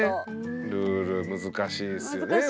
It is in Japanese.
ルール難しいですよねこれね。